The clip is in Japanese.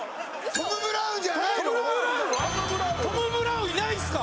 トム・ブラウンいないんすか？